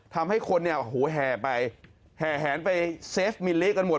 ทำให้คนนี้อ๋อหูห่าไปแห่แหนไปเซฟด์มิลลิกันหมด